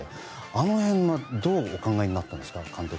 あの辺がどう考えになったんですか。